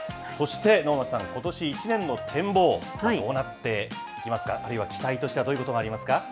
そして、能町さん、ことし１年の展望、どうなっていきますか、あるいは期待としてはどういうことがありますか？